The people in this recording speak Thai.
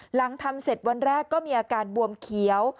หลังทำเสร็จวันแรกก็มีอาการบวมเขียว